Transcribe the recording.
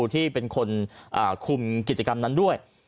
ที่เป็นคนคุมกิจกรรมนั้นด้วย